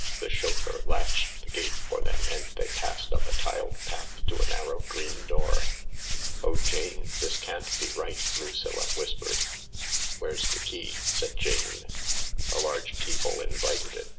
The chauffeur unlatched the gate for them, and they passed up a tiled path to a narrow green door. ™' Jane ' this can ' t 1x5 ri & ht 1 " Lucm a whispered. "Where's the key? " said Jane. A large key hole invited it.